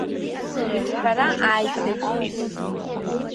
Иҿҳәара ааит, дажәгәышьеит.